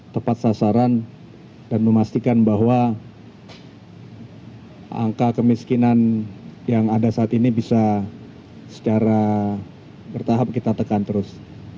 tepat sasaran dan memastikan bahwa angka kemiskinan yang ada saat ini bisa secara bertahap kita tekan terus